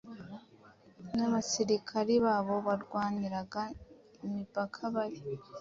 n'Abasirikari babo barwaniraga imipaka bari